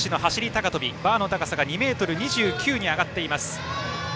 高跳びバーの高さが２ｍ２９に上がっています。